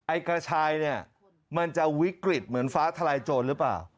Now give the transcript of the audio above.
กระชายเนี่ยมันจะวิกฤตเหมือนฟ้าทลายโจรหรือเปล่า